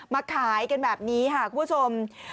มาขายกันแบบนี้ค่ะคุณผู้ชม